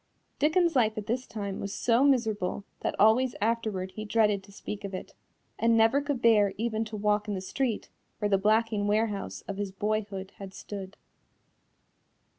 Dickens's life at this time was so miserable that always afterward he dreaded to speak of it, and never could bear even to walk in the street where the blacking warehouse of his boyhood had stood.